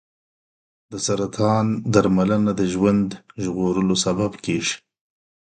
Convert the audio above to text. د سرطان درملنه د ژوند ژغورلو سبب کېږي.